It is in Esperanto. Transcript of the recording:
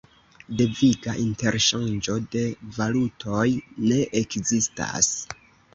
Deviga interŝanĝo de valutoj ne ekzistas.